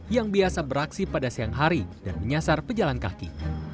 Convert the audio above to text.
yang biasa beraksi pada siang hari dan menyasar pejalan kaki